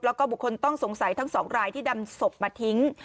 แล้วก็บุคคลต้องสงสัยทั้งสองรายที่นำศพมาทิ้ง